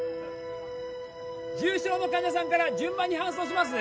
重傷の患者さんから順番に搬送しますね